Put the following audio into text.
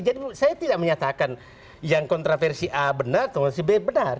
jadi saya tidak menyatakan yang kontraversi a benar atau kontraversi b benar